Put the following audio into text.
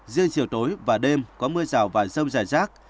riêng chiều tối và đêm có mưa rào và giông giải rác